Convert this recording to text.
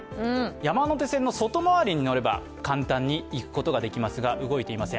山手線の外回りに乗れば簡単に行くことができますが動いていません。